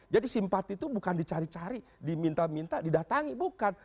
jadi simpati itu bukan dicari cari diminta minta didatangi bukan